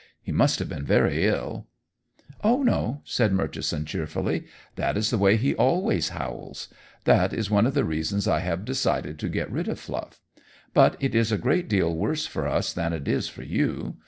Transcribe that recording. He must have been very ill." "Oh, no!" said Murchison cheerfully. "That is the way he always howls. That is one of the reasons I have decided to get rid of Fluff. But it is a great deal worse for us than it is for you.